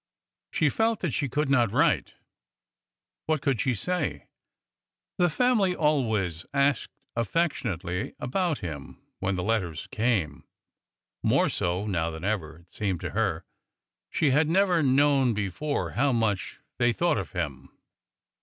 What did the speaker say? She felt that she could not write. What could she say? The family always asked affectionately about him when the letters came—more so now than ever, it seemed to her. She had never known before how much they thought of him.